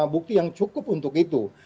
bukti yang cukup untuk itu